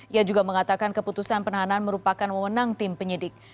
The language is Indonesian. ia juga mengatakan keputusan penahanan merupakan wewenang tim penyidik